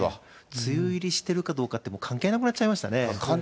梅雨入りしてるかどうかって、関係なくなっちゃいましたね。